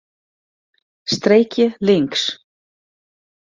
Streekje links.